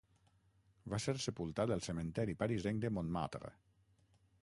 Va ser sepultat al cementeri parisenc de Montmartre.